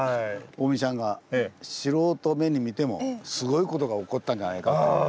近江ちゃんが「素人目に見てもすごい事が起こったんじゃないか」という。